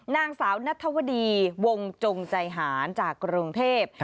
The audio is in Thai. นางสาวนัทธวดีวงจงใจหารจากกรุงเทพ